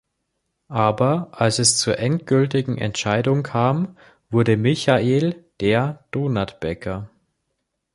Aber als es zur endgültigen Entscheidung kam, wurde Michael der Donutbäcker.